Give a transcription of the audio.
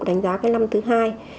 đánh giá cái năm thứ hai